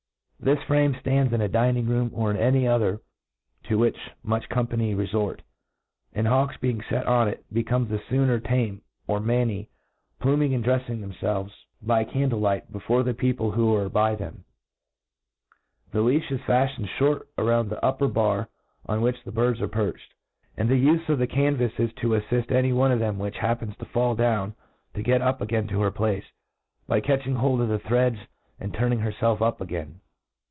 This firame ftands in a dining room, or in any other to which much company refort ; and hawks being fet on it, become the fboner jtame or manny, pluming and dreiling themii^lves R by iga A T R E A T I S E O F .. by candle light, before the people who arc by them. The Leash is faftened fhort around the upper bar on which the birds arc perched j and the ufc of the canvas is to aflift any one of them which happens to fall dow,h to get up again to her place, by catching hold of the threads, and turn^ ing herfelf up agsun.